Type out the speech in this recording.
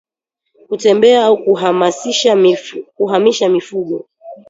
Kutembeza au kuhamisha mifugo